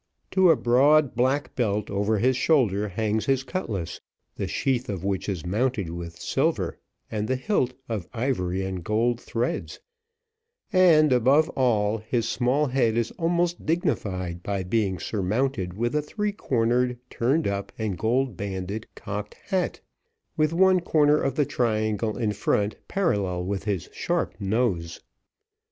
To a broad black belt over his shoulder hangs his cutlass, the sheath of which is mounted with silver, and the hilt of ivory and gold threads; and, above all, his small head is almost dignified by being surmounted with a three cornered turned up and gold banded cocked hat, with one corner of the triangle in front parallel with his sharp nose.